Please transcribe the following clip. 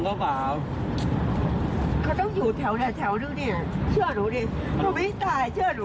นึกว่าเค้าก็บอกว่า